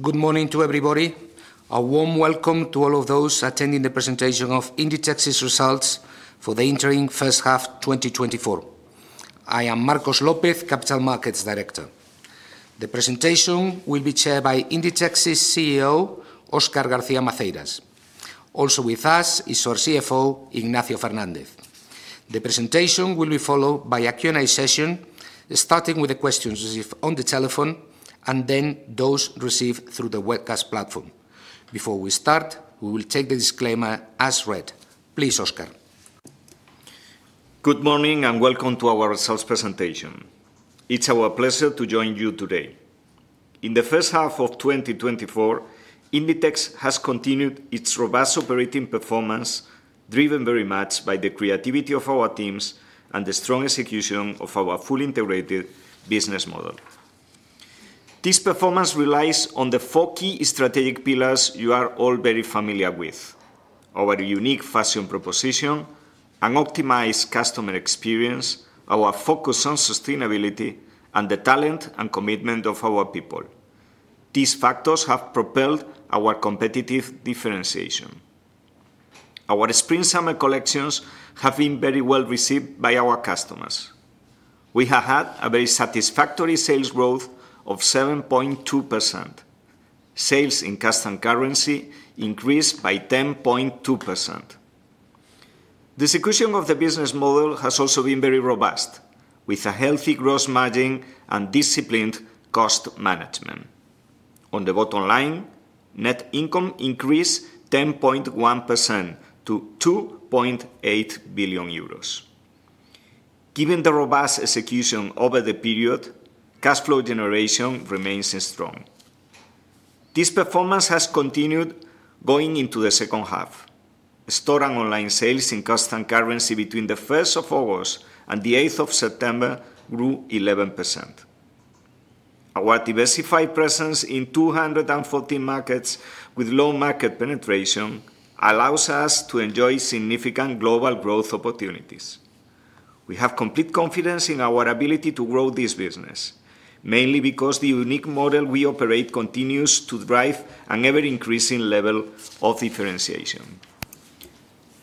Good morning to everybody. A warm welcome to all of those attending the presentation of Inditex's results for the interim first half, 2024. I am Marcos López, Capital Markets Director. The presentation will be chaired by Inditex's CEO, Óscar García Maceiras. Also with us is our CFO, Ignacio Fernández. The presentation will be followed by a Q&A session, starting with the questions received on the telephone and then those received through the webcast platform. Before we start, we will take the disclaimer as read. Please, Oscar. Good morning, and welcome to our results presentation. It's our pleasure to join you today. In the first half of 2024, Inditex has continued its robust operating performance, driven very much by the creativity of our teams and the strong execution of our fully integrated business model. This performance relies on the four key strategic pillars you are all very familiar with: our unique fashion proposition, an optimized customer experience, our focus on sustainability, and the talent and commitment of our people. These factors have propelled our competitive differentiation. Our spring/summer collections have been very well received by our customers. We have had a very satisfactory sales growth of 7.2%. Sales in constant currency increased by 10.2%. The execution of the business model has also been very robust, with a healthy gross margin and disciplined cost management. On the bottom line, net income increased 10.1% to 2.8 billion euros. Given the robust execution over the period, cash flow generation remains strong. This performance has continued going into the second half. Store and online sales in constant currency between the first of August and the eighth of September grew 11%. Our diversified presence in 214 markets with low market penetration allows us to enjoy significant global growth opportunities. We have complete confidence in our ability to grow this business, mainly because the unique model we operate continues to drive an ever-increasing level of differentiation.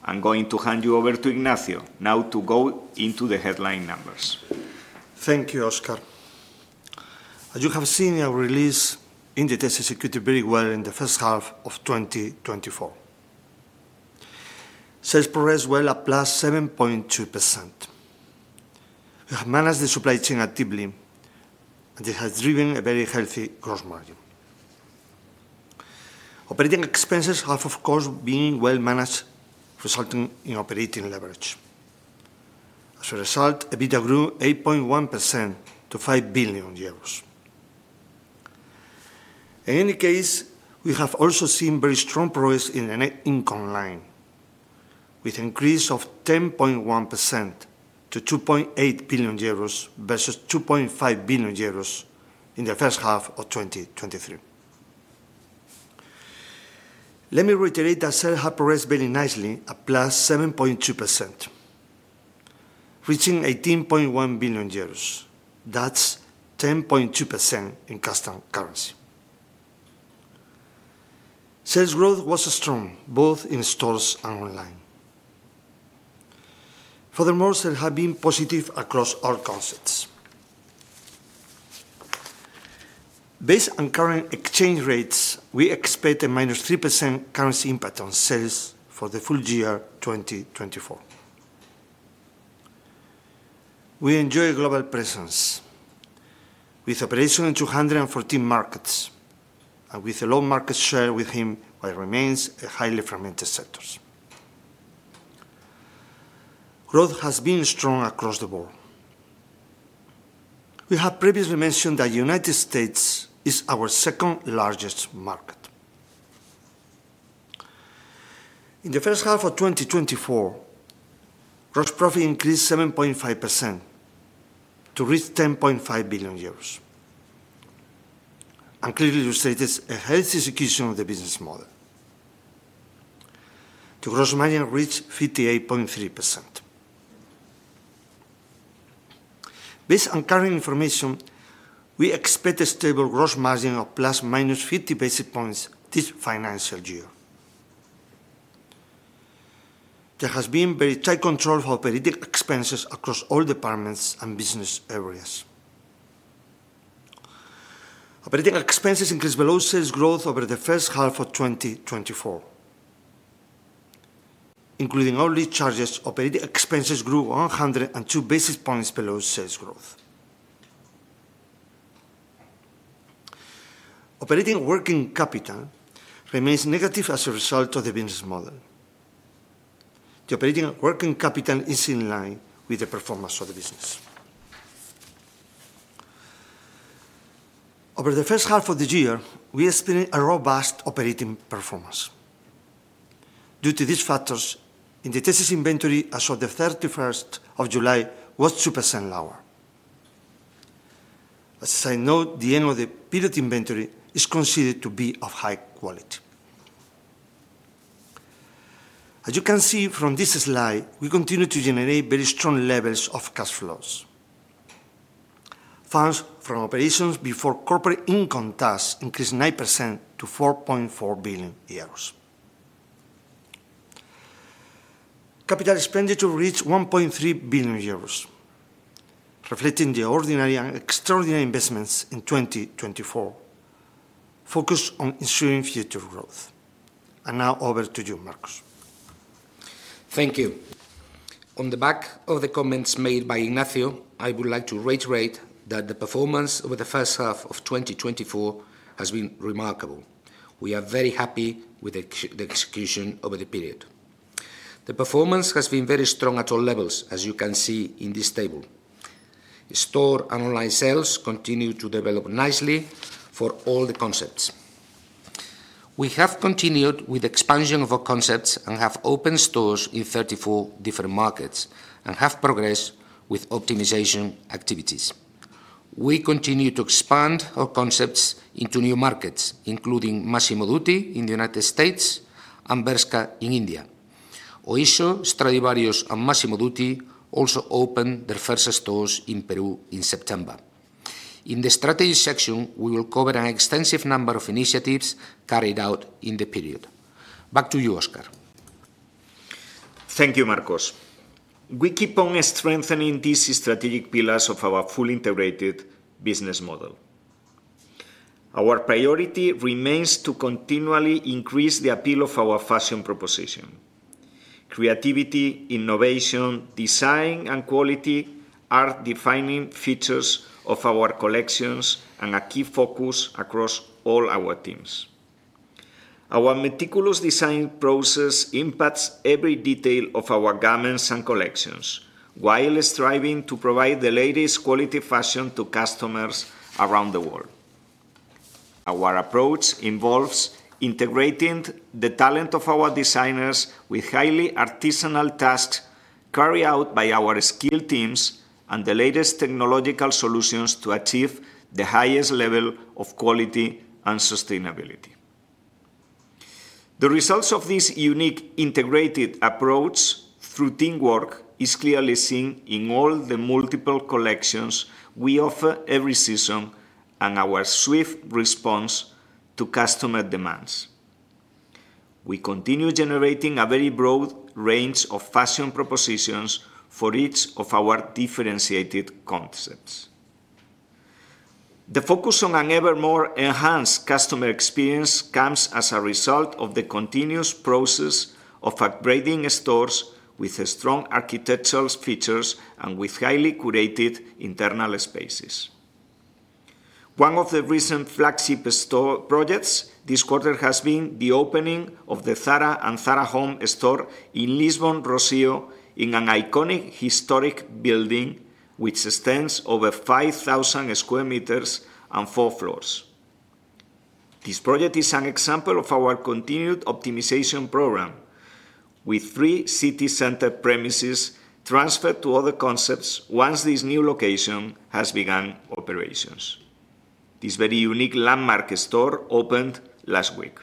I'm going to hand you over to Ignacio now to go into the headline numbers. Thank you, Oscar. As you have seen in our release, Inditex executed very well in the first half of 2024. Sales progressed well, at +7.2%. We have managed the supply chain actively, and it has driven a very healthy gross margin. Operating expenses have, of course, been well managed, resulting in operating leverage. As a result, EBITDA grew 8.1% to 5 billion euros. In any case, we have also seen very strong progress in the net income line, with an increase of 10.1% to 2.8 billion euros, versus 2.5 billion euros in the first half of 2023. Let me reiterate that sales have progressed very nicely, at +7.2%, reaching EUR 18.1 billion. That's 10.2% in constant currency. Sales growth was strong both in stores and online. Furthermore, sales have been positive across all concepts. Based on current exchange rates, we expect a -3% currency impact on sales for the full year 2024. We enjoy a global presence with operation in 214 markets, and with a low market share within what remains a highly fragmented sectors. Growth has been strong across the board. We have previously mentioned that United States is our second-largest market. In the first half of 2024, gross profit increased 7.5% to reach 10.5 billion euros, and clearly illustrates a healthy execution of the business model. The gross margin reached 58.3%. Based on current information, we expect a stable gross margin of +-50 basis points this financial year. There has been very tight control of operating expenses across all departments and business areas. Operating expenses increased below sales growth over the first half of 2024. Including all charges, operating expenses grew 102 basis points below sales growth. Operating working capital remains negative as a result of the business model. The operating working capital is in line with the performance of the business. Over the first half of the year, we experienced a robust operating performance. Due to these factors, Inditex's inventory as of the thirty-first of July was 2% lower. As I know, the end of the period inventory is considered to be of high quality. As you can see from this slide, we continue to generate very strong levels of cash flows. Funds from operations before corporate income tax increased 9% to 4.4 billion euros. Capital expenditure reached 1.3 billion euros, reflecting the ordinary and extraordinary investments in 2024, focused on ensuring future growth. And now over to you, Marcos. Thank you. On the back of the comments made by Ignacio, I would like to reiterate that the performance over the first half of 2024 has been remarkable. We are very happy with the execution over the period. The performance has been very strong at all levels, as you can see in this table. Store and online sales continue to develop nicely for all the concepts. We have continued with expansion of our concepts and have opened stores in 34 different markets, and have progressed with optimization activities. We continue to expand our concepts into new markets, including Massimo Dutti in the United States and Bershka in India. Oysho, Stradivarius, and Massimo Dutti also opened their first stores in Peru in September. In the strategy section, we will cover an extensive number of initiatives carried out in the period. Back to you, Oscar. Thank you, Marcos. We keep on strengthening these strategic pillars of our fully integrated business model. Our priority remains to continually increase the appeal of our fashion proposition. Creativity, innovation, design, and quality are defining features of our collections and a key focus across all our teams. Our meticulous design process impacts every detail of our garments and collections, while striving to provide the latest quality fashion to customers around the world. Our approach involves integrating the talent of our designers with highly artisanal tasks carried out by our skilled teams and the latest technological solutions to achieve the highest level of quality and sustainability. The results of this unique integrated approach through teamwork is clearly seen in all the multiple collections we offer every season, and our swift response to customer demands. We continue generating a very broad range of fashion propositions for each of our differentiated concepts. The focus on an ever more enhanced customer experience comes as a result of the continuous process of upgrading stores with strong architectural features and with highly curated internal spaces. One of the recent flagship store projects this quarter has been the opening of the Zara and Zara Home store in Lisbon, Rossio, in an iconic historic building which extends over 5,000 square meters and four floors. This project is an example of our continued optimization program, with three city center premises transferred to other concepts once this new location has begun operations. This very unique landmark store opened last week.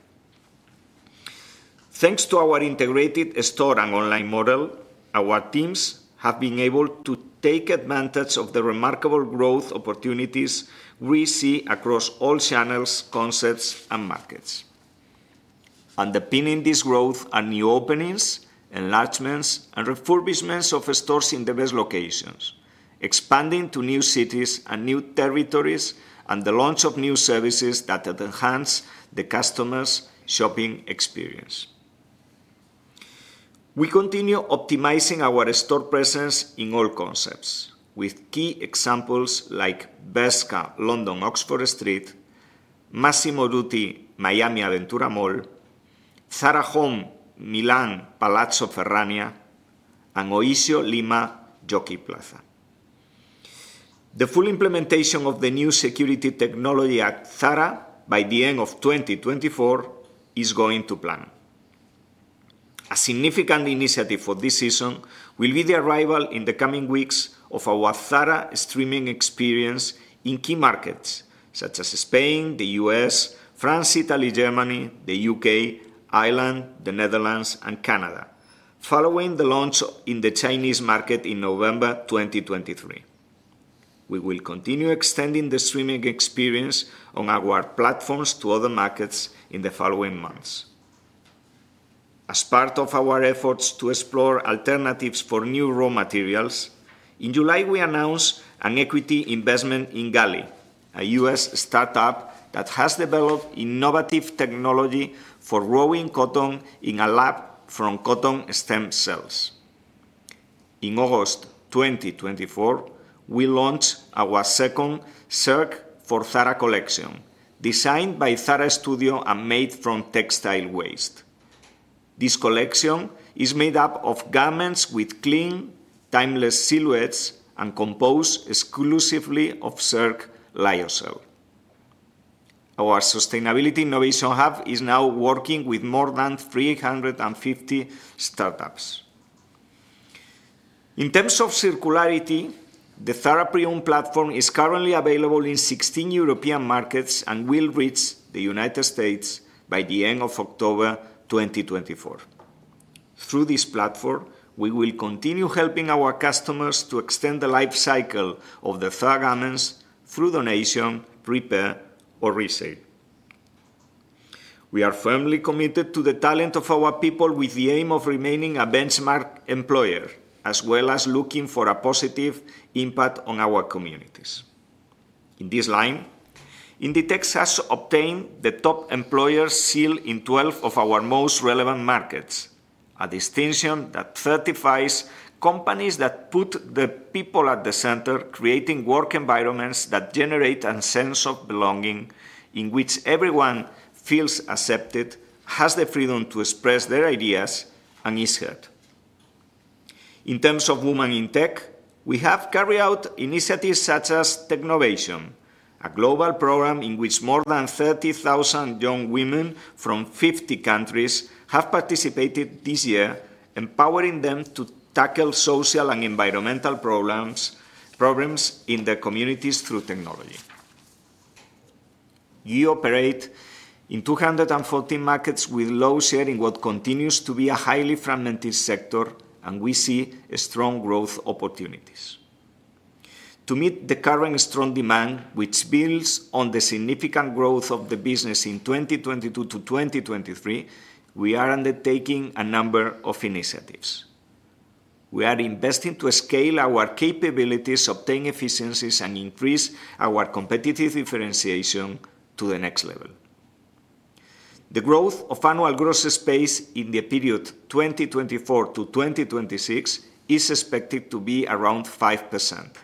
Thanks to our integrated store and online model, our teams have been able to take advantage of the remarkable growth opportunities we see across all channels, concepts, and markets. Underpinning this growth are new openings, enlargements, and refurbishments of stores in the best locations, expanding to new cities and new territories, and the launch of new services that enhance the customer's shopping experience. We continue optimizing our store presence in all concepts, with key examples like Bershka London, Oxford Street, Massimo Dutti, Miami Aventura Mall, Zara Home, Milan Palazzo Ferrania, and Oysho, Lima Jockey Plaza. The full implementation of the new security technology at Zara by the end of 2024 is going to plan. A significant initiative for this season will be the arrival in the coming weeks of our Zara streaming experience in key markets such as Spain, the U.S., France, Italy, Germany, the U.K., Ireland, the Netherlands, and Canada, following the launch in the Chinese market in November 2023. We will continue extending the streaming experience on our platforms to other markets in the following months. As part of our efforts to explore alternatives for new raw materials, in July, we announced an equity investment in GALY, a U.S. startup that has developed innovative technology for growing cotton in a lab from cotton stem cells. In August 2024, we launched our second Circ for Zara collection, designed by Zara Studio and made from textile waste. This collection is made up of garments with clean, timeless silhouettes and composed exclusively of Circ lyocell. Our sustainability innovation hub is now working with more than 350 startups.... In terms of circularity, the Zara Pre-Owned platform is currently available in 16 European markets and will reach the United States by the end of October 2024. Through this platform, we will continue helping our customers to extend the life cycle of their Zara garments through donation, repair, or resale. We are firmly committed to the talent of our people with the aim of remaining a benchmark employer, as well as looking for a positive impact on our communities. In this line, Inditex has obtained the Top Employer seal in 12 of our most relevant markets, a distinction that certifies companies that put the people at the center, creating work environments that generate a sense of belonging, in which everyone feels accepted, has the freedom to express their ideas, and is heard. In terms of women in tech, we have carried out initiatives such as Technovation, a global program in which more than 30,000 young women from 50 countries have participated this year, empowering them to tackle social and environmental problems, problems in their communities through technology. We operate in 214 markets with low share in what continues to be a highly fragmented sector, and we see strong growth opportunities. To meet the current strong demand, which builds on the significant growth of the business in 2022 to 2023, we are undertaking a number of initiatives. We are investing to scale our capabilities, obtain efficiencies, and increase our competitive differentiation to the next level. The growth of annual gross space in the period 2024 - 2026 is expected to be around 5%.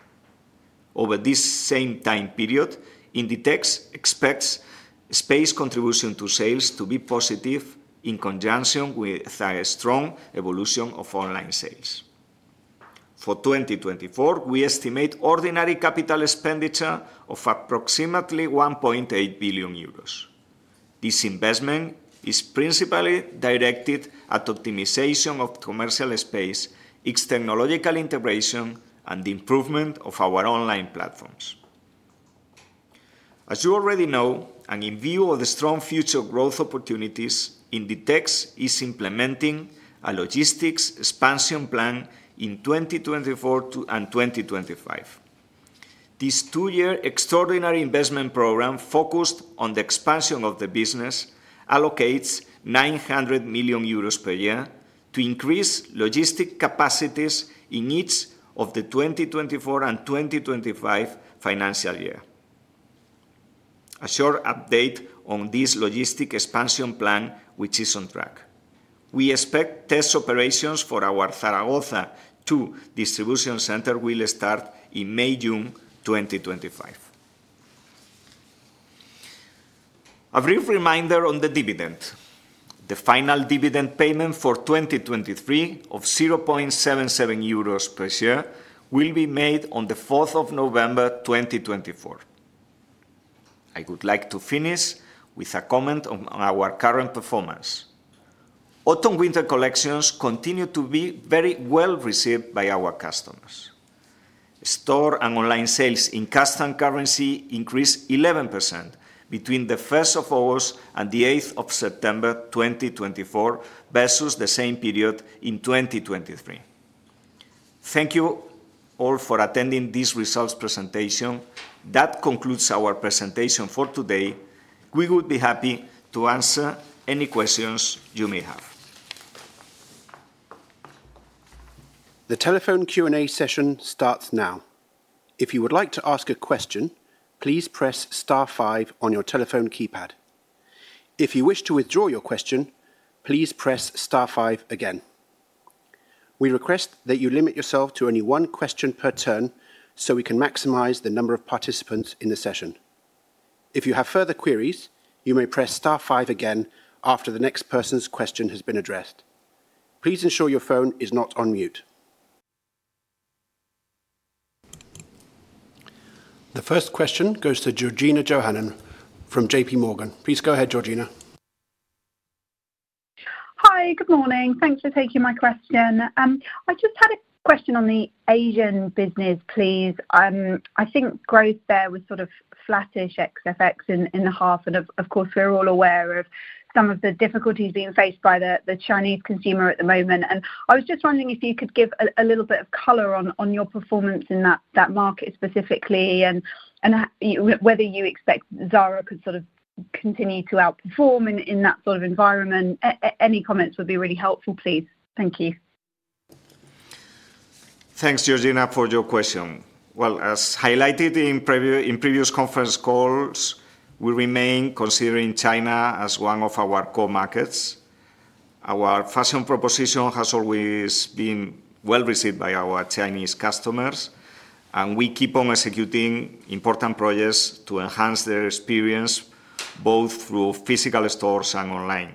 Over this same time period, Inditex expects space contribution to sales to be positive in conjunction with a strong evolution of online sales. For 2024, we estimate ordinary capital expenditure of approximately 1.8 billion euros. This investment is principally directed at optimization of commercial space, its technological integration, and the improvement of our online platforms. As you already know, and in view of the strong future growth opportunities, Inditex is implementing a logistics expansion plan in 2024 to and 2025. This two-year extraordinary investment program, focused on the expansion of the business, allocates 900 million euros per year to increase logistic capacities in each of the 2024 and 2025 financial year. A short update on this logistic expansion plan, which is on track: We expect test operations for our Zaragoza II distribution center will start in May, June 2025. A brief reminder on the dividend. The final dividend payment for 2023, of 0.77 euros per share, will be made on the fourth of November 2024. I would like to finish with a comment on our current performance. Autumn/winter collections continue to be very well received by our customers. Store and online sales in constant currency increased 11% between the first of August and the eighth of September 2024, versus the same period in 2023. Thank you all for attending this results presentation. That concludes our presentation for today. We would be happy to answer any questions you may have. The telephone Q&A session starts now. If you would like to ask a question, please press star five on your telephone keypad. If you wish to withdraw your question, please press star five again. We request that you limit yourself to only one question per turn, so we can maximize the number of participants in the session. If you have further queries, you may press star five again after the next person's question has been addressed. Please ensure your phone is not on mute. The first question goes to Georgina Johanan from JPMorgan. Please go ahead, Georgina. Hi. Good morning. Thanks for taking my question. I just had a question on the Asian business, please. I think growth there was sort of flattish ex-FX in the half, and, of course, we're all aware of some of the difficulties being faced by the Chinese consumer at the moment. And I was just wondering if you could give a little bit of color on your performance in that market specifically, and whether you expect Zara could sort of continue to outperform in that sort of environment. Any comments would be really helpful, please. Thank you. Thanks, Georgina, for your question. As highlighted in previous conference calls, we remain considering China as one of our core markets. Our fashion proposition has always been well received by our Chinese customers, and we keep on executing important projects to enhance their experience, both through physical stores and online.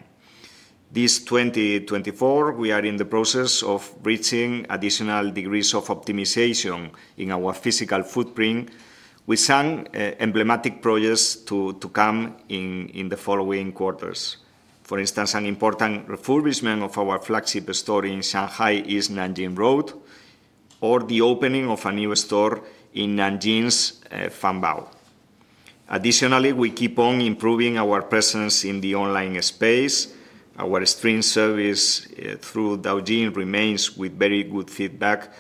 This 2024, we are in the process of reaching additional degrees of optimization in our physical footprint, with some emblematic projects to come in the following quarters.... for instance, an important refurbishment of our flagship store in Shanghai is Nanjing Road, or the opening of a new store in Nanjing's Wanbao. Additionally, we keep on improving our presence in the online space. Our streaming service through Douyin remains with very good feedback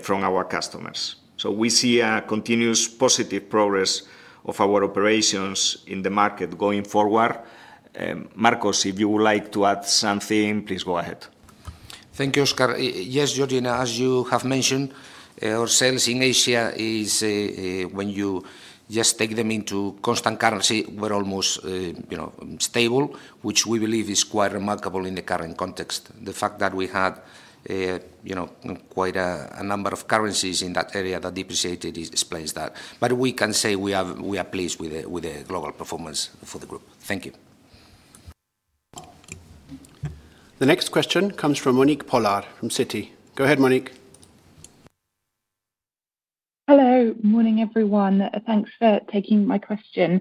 from our customers. So we see a continuous positive progress of our operations in the market going forward. Marcos, if you would like to add something, please go ahead. Thank you, Oscar. Yes, Georgina, as you have mentioned, our sales in Asia is, when you just take them into constant currency, we're almost, you know, stable, which we believe is quite remarkable in the current context. The fact that we had, you know, quite a number of currencies in that area that depreciated explains that. But we can say we are pleased with the global performance for the group. Thank you. The next question comes from Monique Pollard from Citi. Go ahead, Monique. Hello. Morning, everyone. Thanks for taking my question.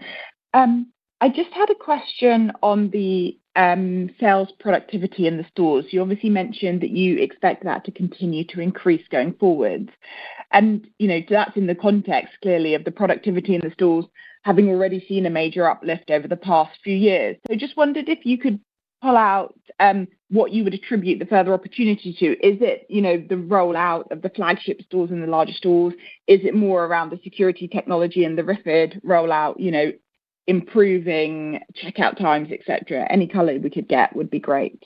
I just had a question on the sales productivity in the stores. You obviously mentioned that you expect that to continue to increase going forward, and, you know, that's in the context, clearly, of the productivity in the stores having already seen a major uplift over the past few years. So I just wondered if you could pull out what you would attribute the further opportunity to? Is it, you know, the rollout of the flagship stores and the larger stores? Is it more around the security technology and the RFID rollout, you know, improving checkout times, et cetera? Any color we could get would be great.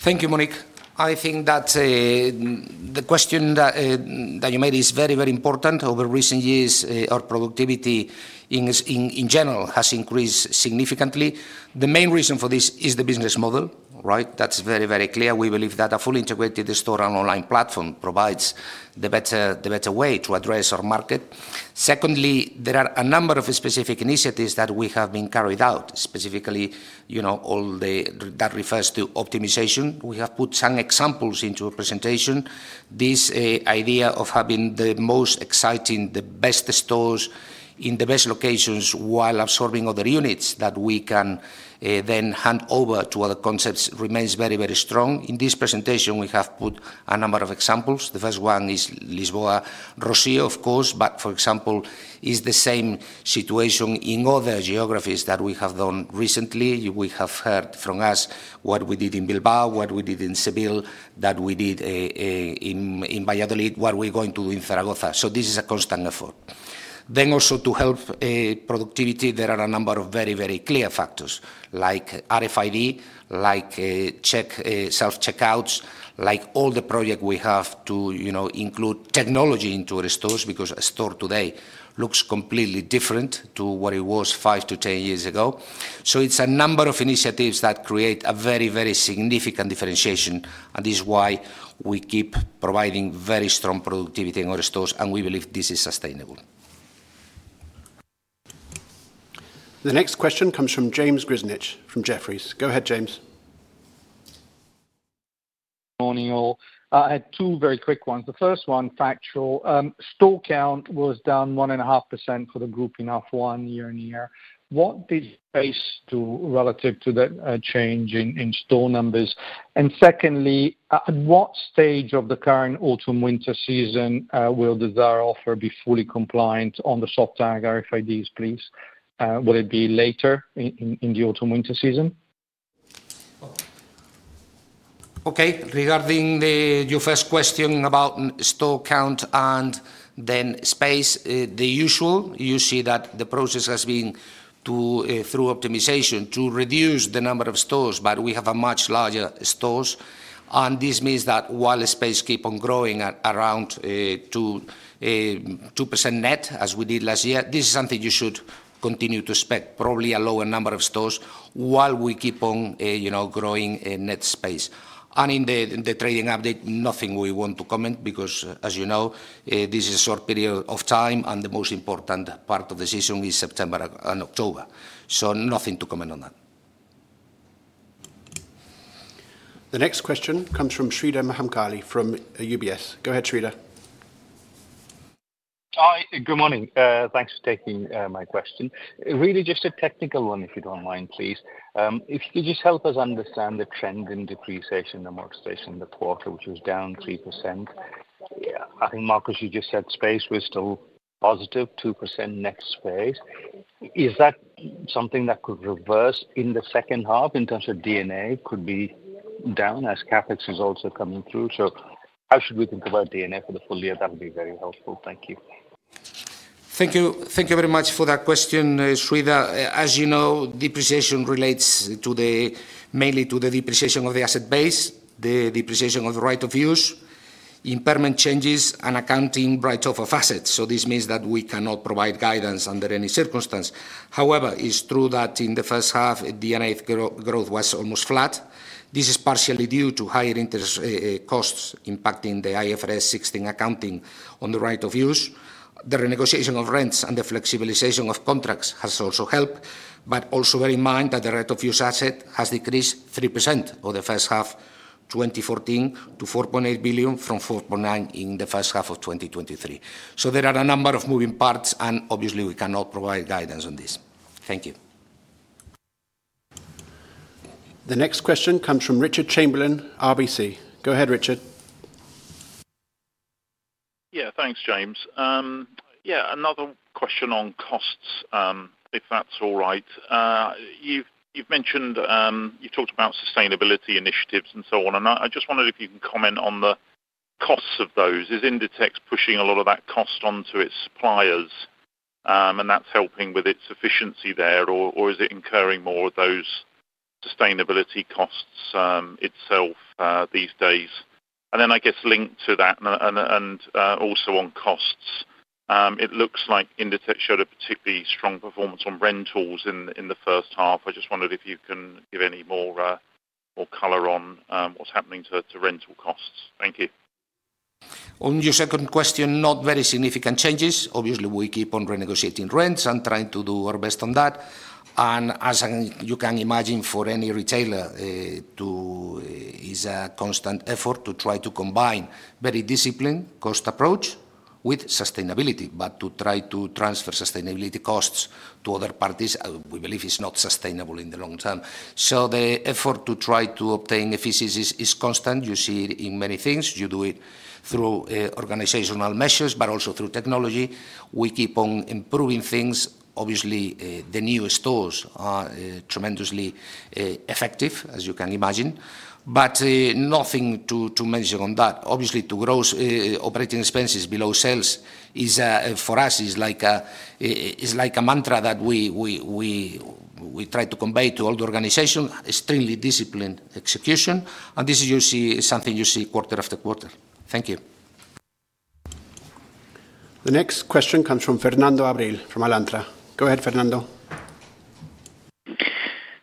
Thank you, Monique. I think that the question that you made is very, very important. Over recent years, our productivity in general has increased significantly. The main reason for this is the business model, right? That's very, very clear. We believe that a fully integrated store and online platform provides the better, the better way to address our market. Secondly, there are a number of specific initiatives that we have been carried out. Specifically, you know, all the... That refers to optimization. We have put some examples into a presentation. This idea of having the most exciting, the best stores in the best locations while absorbing other units that we can then hand over to other concepts remains very, very strong. In this presentation, we have put a number of examples. The first one is Lisbon Rossio, of course, but for example, is the same situation in other geographies that we have done recently. You will have heard from us what we did in Bilbao, what we did in Seville, that we did in Valladolid, what we're going to do in Zaragoza. So this is a constant effort. Then also, to help productivity, there are a number of very, very clear factors, like RFID, like check self-checkouts, like all the project we have to, you know, include technology into our stores, because a store today looks completely different to what it was five to 10 years ago. So it's a number of initiatives that create a very, very significant differentiation, and this is why we keep providing very strong productivity in our stores, and we believe this is sustainable. The next question comes from James Grzinic from Jefferies. Go ahead, James. Morning, all. I had two very quick ones. The first one, factual. Store count was down 1.5% for the group in half one year on year. What did space do relative to the change in store numbers? And secondly, at what stage of the current autumn-winter season will the Zara offer be fully compliant on the soft tag RFIDs, please? Will it be later in the autumn-winter season? Okay. Regarding the, your first question about store count and then space, the usual. You see that the process has been to, through optimization, to reduce the number of stores, but we have a much larger stores. And this means that while the space keep on growing at around, two percent net, as we did last year, this is something you should continue to expect, probably a lower number of stores, while we keep on, you know, growing in net space. And in the, in the trading update, nothing we want to comment, because, as you know, this is a short period of time, and the most important part of the season is September and October. So nothing to comment on that. The next question comes from Sreedhar Mahankali from UBS. Go ahead, Sreedhar Hi, good morning. Thanks for taking my question. Really just a technical one, if you don't mind, please. If you could just help us understand the trend in depreciation and amortization in the quarter, which was down 3%. Yeah, I think, Marcos, you just said space was still positive, 2% net space. Is that something that could reverse in the second half in terms of D&A, could be down as CapEx is also coming through? So how should we think about D&A for the full year? That would be very helpful. Thank you. Thank you. Thank you very much for that question, Sreedhar. As you know, depreciation relates to the, mainly to the depreciation of the asset base, the depreciation of the right of use, impairment charges, and accounting write-off of assets. So this means that we cannot provide guidance under any circumstance. However, it's true that in the first half, D&A growth was almost flat. This is partially due to higher interest costs impacting the IFRS 16 accounting on the right of use. The renegotiation of rents and the flexibilization of contracts has also helped, but also bear in mind that the right of use asset has decreased 3% for the first half, 2024, to 4.8 billion from 4.9 billion in the first half of 2023. So there are a number of moving parts, and obviously we cannot provide guidance on this. Thank you. ...The next question comes from Richard Chamberlain, RBC. Go ahead, Richard. Yeah, thanks, James. Yeah, another question on costs, if that's all right. You've mentioned you talked about sustainability initiatives and so on, and I just wondered if you can comment on the costs of those. Is Inditex pushing a lot of that cost onto its suppliers, and that's helping with its efficiency there, or is it incurring more of those sustainability costs itself these days? And then, I guess, linked to that, also on costs, it looks like Inditex showed a particularly strong performance on rentals in the first half. I just wondered if you can give any more color on what's happening to rental costs. Thank you. On your second question, not very significant changes. Obviously, we keep on renegotiating rents and trying to do our best on that. And as one, you can imagine, for any retailer, it's a constant effort to try to combine very disciplined cost approach with sustainability. But to try to transfer sustainability costs to other parties, we believe is not sustainable in the long term. So the effort to try to obtain efficiencies is constant. You see it in many things. You do it through organizational measures, but also through technology. We keep on improving things. Obviously, the newer stores are tremendously effective, as you can imagine, but nothing to mention on that. Obviously, to gross operating expenses below sales is for us is like a mantra that we try to convey to all the organization. Extremely disciplined execution, and this you see is something you see quarter after quarter. Thank you. The next question comes from Fernando Abril from Alantra. Go ahead, Fernando.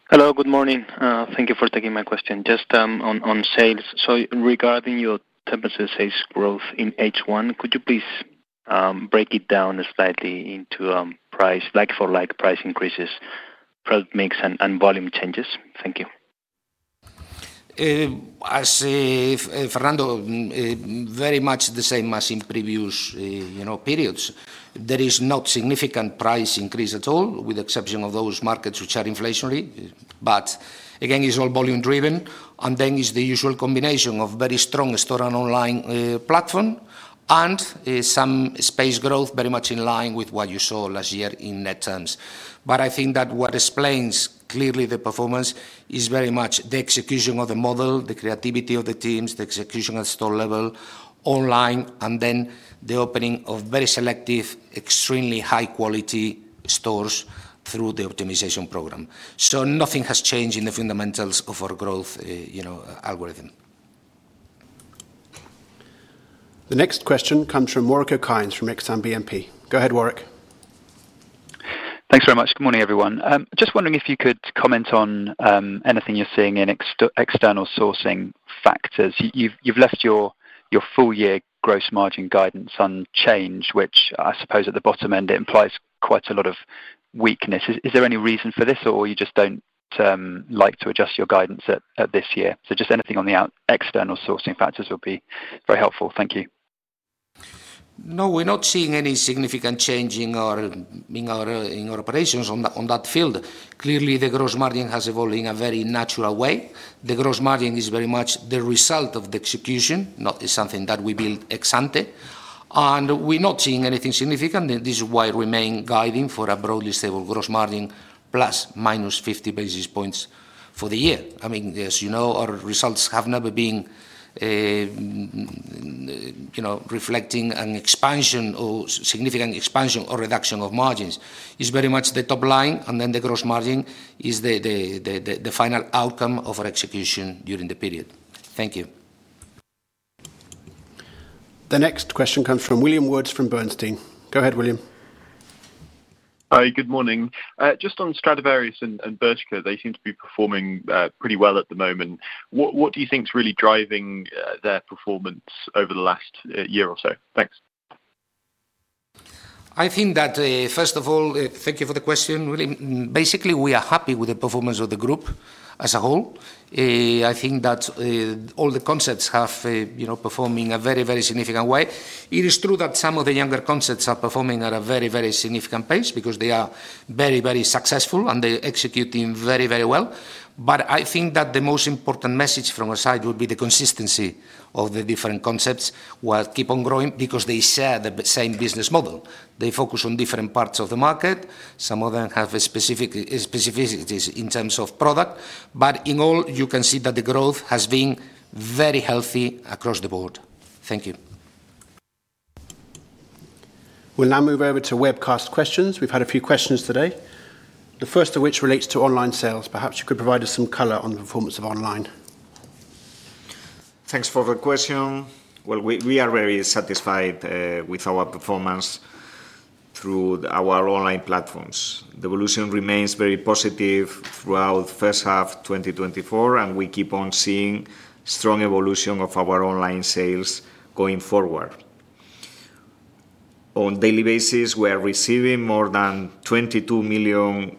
Hello, good morning. Thank you for taking my question. Just on sales. So regarding your tremendous sales growth in H1, could you please break it down slightly into price, like-for-like price increases, product mix, and volume changes? Thank you. I see, Fernando, very much the same as in previous, you know, periods. There is not significant price increase at all, with exception of those markets which are inflationary. But again, it's all volume driven, and then it's the usual combination of very strong store and online platform, and some space growth, very much in line with what you saw last year in net terms. But I think that what explains clearly the performance is very much the execution of the model, the creativity of the teams, the execution at store level, online, and then the opening of very selective, extremely high-quality stores through the optimization program. So nothing has changed in the fundamentals of our growth, you know, algorithm. The next question comes from Warwick Okines from Exane BNP. Go ahead, Warwick. Thanks very much. Good morning, everyone. Just wondering if you could comment on anything you're seeing in external sourcing factors. You've left your full year gross margin guidance unchanged, which I suppose at the bottom end, it implies quite a lot of weakness. Is there any reason for this, or you just don't like to adjust your guidance at this year? So just anything on the external sourcing factors will be very helpful. Thank you. No, we're not seeing any significant change in our operations on that field. Clearly, the gross margin has evolved in a very natural way. The gross margin is very much the result of the execution, not something that we build ex ante, and we're not seeing anything significant. This is why we remain guiding for a broadly stable gross margin, plus minus 50 basis points for the year. I mean, as you know, our results have never been, you know, reflecting an expansion or significant expansion or reduction of margins. It's very much the top line, and then the gross margin is the final outcome of our execution during the period. Thank you. The next question comes from William Woods from Bernstein. Go ahead, William. Hi, good morning. Just on Stradivarius and Bershka, they seem to be performing pretty well at the moment. What do you think is really driving their performance over the last year or so? Thanks. I think that, first of all, thank you for the question, William. Basically, we are happy with the performance of the group as a whole. I think that, all the concepts have, you know, performed in a very, very significant way. It is true that some of the younger concepts are performing at a very, very significant pace because they are very, very successful, and they're executing very, very well. But I think that the most important message from our side would be the consistency of the different concepts while keep on growing because they share the same business model. They focus on different parts of the market. Some of them have a specific specificities in terms of product, but in all, you can see that the growth has been very healthy across the board. Thank you. We'll now move over to webcast questions. We've had a few questions today, the first of which relates to online sales. Perhaps you could provide us some color on the performance of online. Thanks for the question. We are very satisfied with our performance through our online platforms. The evolution remains very positive throughout the first half of 2024, and we keep on seeing strong evolution of our online sales going forward. On a daily basis, we are receiving more than 22 million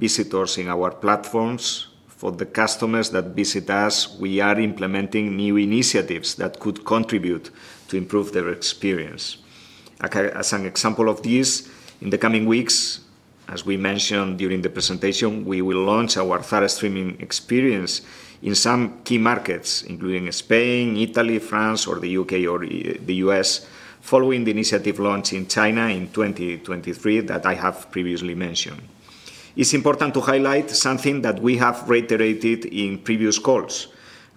visitors in our platforms. For the customers that visit us, we are implementing new initiatives that could contribute to improve their experience. Okay, as an example of this, in the coming weeks- ...As we mentioned during the presentation, we will launch our Zara Streaming experience in some key markets, including Spain, Italy, France, or the U.K., or the U.S., following the initiative launch in China in 2023 that I have previously mentioned. It's important to highlight something that we have reiterated in previous calls.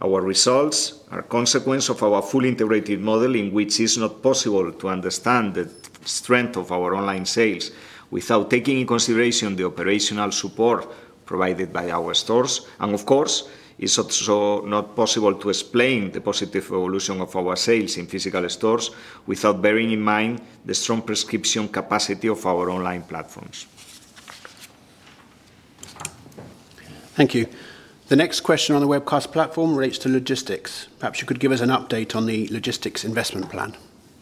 Our results are a consequence of our fully integrated model, in which it's not possible to understand the strength of our online sales without taking in consideration the operational support provided by our stores, and of course, it's also not possible to explain the positive evolution of our sales in physical stores without bearing in mind the strong prescription capacity of our online platforms. Thank you. The next question on the webcast platform relates to logistics. Perhaps you could give us an update on the logistics investment plan,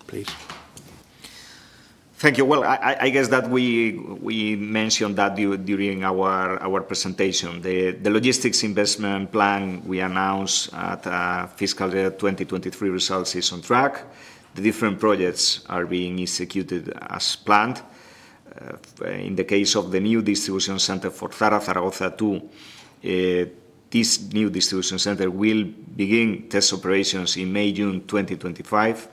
please. Thank you. I guess that we mentioned that during our presentation. The logistics investment plan we announced at fiscal year 2023 results is on track. The different projects are being executed as planned. In the case of the new distribution center for Zara, Zaragoza 2, this new distribution center will begin test operations in May, June 2025.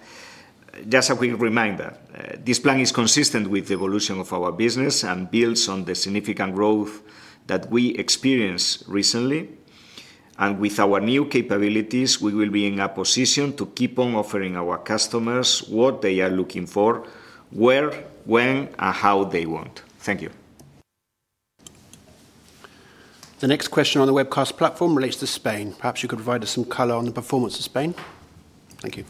Just a quick reminder, this plan is consistent with the evolution of our business and builds on the significant growth that we experienced recently, and with our new capabilities, we will be in a position to keep on offering our customers what they are looking for, where, when, and how they want. Thank you. The next question on the webcast platform relates to Spain. Perhaps you could provide us some color on the performance of Spain. Thank you.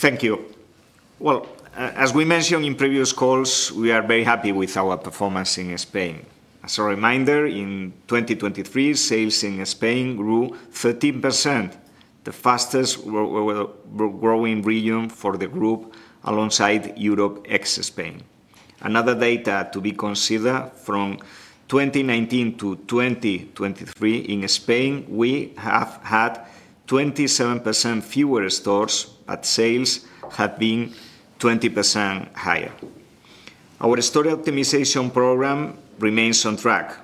Thank you. As we mentioned in previous calls, we are very happy with our performance in Spain. As a reminder, in 2023, sales in Spain grew 13%, the fastest growing region for the group alongside Europe ex-Spain. Another data to be considered, from 2019 - 2023 in Spain, we have had 27% fewer stores, but sales have been 20% higher. Our store optimization program remains on track.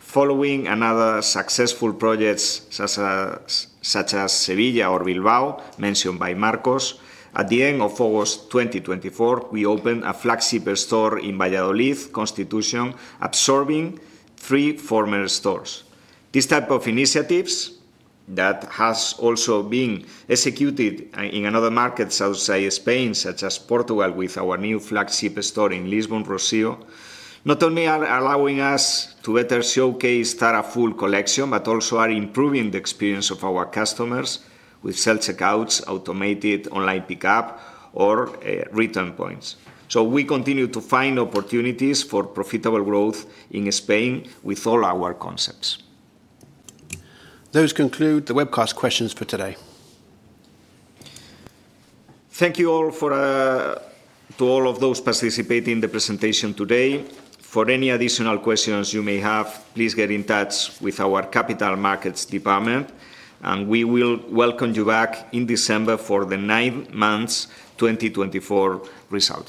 Following another successful projects, such as Seville or Bilbao, mentioned by Marcos, at the end of August 2024, we opened a flagship store in Valladolid, Constitución, absorbing three former stores. These type of initiatives, that has also been executed in another market outside Spain, such as Portugal, with our new flagship store in Lisbon, Rossio, not only are allowing us to better showcase Zara full collection, but also are improving the experience of our customers with self-checkouts, automated online pickup, or return points. So we continue to find opportunities for profitable growth in Spain with all our concepts. That concludes the webcast questions for today. Thank you all. To all of those participating in the presentation today. For any additional questions you may have, please get in touch with our capital markets department, and we will welcome you back in December for the nine months 2024 results.